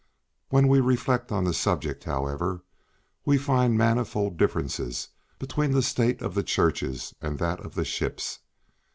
When we reflect on the subject, however, we find manifold differences between the state of the churches and that of the ships.